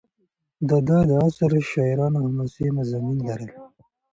د ده د عصر شاعرانو حماسي مضامین لرل.